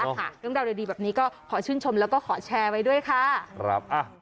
เรื่องราวดีแบบนี้ก็ขอชื่นชมแล้วก็ขอแชร์ไว้ด้วยค่ะครับ